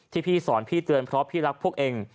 ที่พี่สอนพี่เตือนเพราะพี่รักพวกเอง